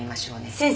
先生。